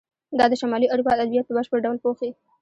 دا د شمالي اروپا ادبیات په بشپړ ډول پوښي.